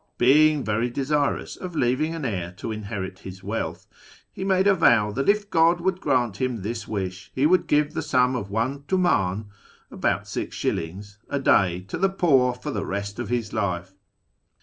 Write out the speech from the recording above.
Being very desirous of leaving an heir to inherit las wealth, he made a vow that if God would grant him this wish he would give the sum of one tumdn (about 6s.) a day to the poor for the rest of his life.